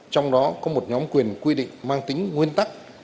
trong đó có một nhóm quyền quy định mang tính nguyên tắc